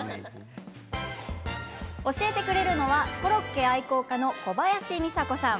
教えてくれるのはコロッケ愛好家の小林美砂子さん。